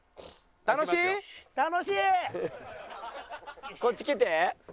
楽しい？楽しい！こっち来て。